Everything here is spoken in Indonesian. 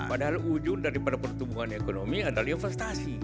padahal ujung daripada pertumbuhan ekonomi adalah investasi